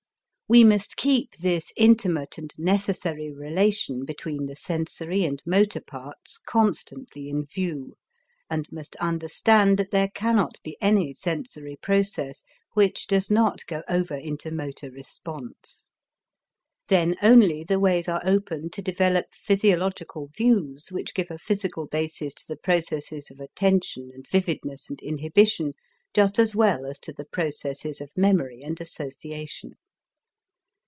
We must keep this intimate and necessary relation between the sensory and motor parts constantly in view, and must understand that there cannot be any sensory process which does not go over into motor response. Then only the ways are open to develop physiological views which give a physical basis to the processes of attention and vividness and inhibition, just as well as to the processes of memory and association.